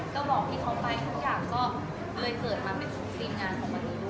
ก็บอกที่เขาไปทุกอย่างก็เลยเกิดมาเป็นธุรกิจงานของมันนี่ด้วย